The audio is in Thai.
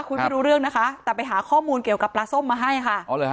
คุยไม่รู้เรื่องนะคะแต่ไปหาข้อมูลเกี่ยวกับปลาส้มมาให้ค่ะ